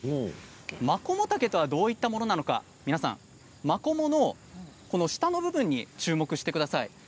マコモタケとはどういったものなのか皆さんマコモの下の部分に注目してください。